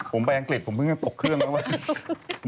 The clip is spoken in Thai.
ผมไปอังกฤษผมเพิ่งตกเครื่องมาวาน